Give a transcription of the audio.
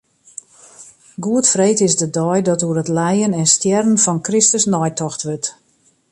Goedfreed is de dei dat oer it lijen en stjerren fan Kristus neitocht wurdt.